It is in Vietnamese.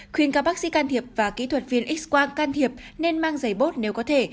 khuyên các bác sĩ can thiệp và kỹ thuật viên x quang can thiệp nên mang giày bốt nếu có thể